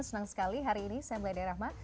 senang sekali hari ini saya mbak dara rahman